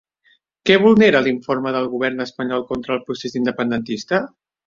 Què vulnera l'informe del govern espanyol contra el procés independentista?